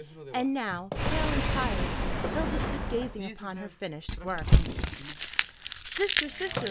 And now, pale and tired, Hilda stood gazing upon her finished work. "Sister, sister!"